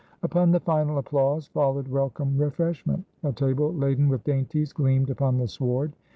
Upon the final applause followed welcome refreshment. A table laden with dainties gleamed upon the sward.